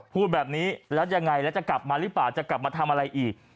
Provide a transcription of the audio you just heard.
พูดแบบนี้แล้วยังไงแล้วจะกลับมาหรือเปล่าจะกลับมาทำอะไรอีก